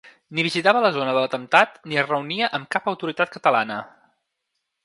Ni visitava la zona de l’atemptat ni es reunia amb cap autoritat catalana.